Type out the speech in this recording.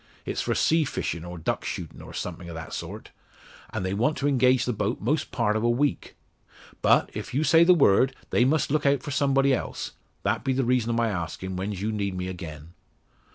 It's for sea fishin' or duck shootin' or somethin' o' that sort; an' they want to engage the boat most part o' a week. But, if you say the word, they must look out for somebody else. That be the reason o' my askin' when's you'd need me again."